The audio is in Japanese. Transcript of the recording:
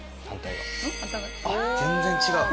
全然違う！